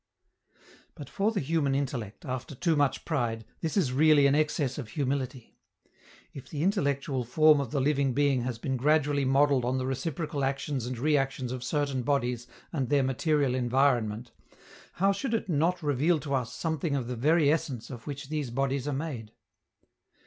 But for the human intellect, after too much pride, this is really an excess of humility. If the intellectual form of the living being has been gradually modeled on the reciprocal actions and reactions of certain bodies and their material environment, how should it not reveal to us something of the very essence of which these bodies are made?